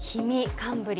寒ぶり。